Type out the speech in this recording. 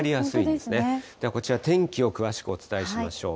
ではこちら、天気を詳しくお伝えしましょう。